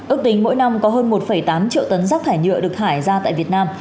ước tính mỗi năm có hơn một tám triệu tấn rác thải nhựa được thải ra tại việt nam